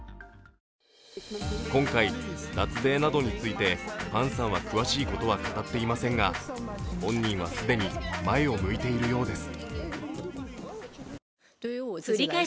今回、脱税などについてファンさんは詳しいことは語っていませんが、本人は既に前を向いているようです。